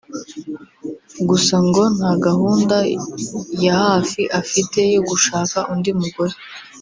gusa ngo nta gahunda ya hafi afite yo gushaka undi mugore